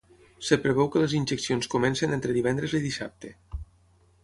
Es preveu que les injeccions comencin entre divendres i dissabte.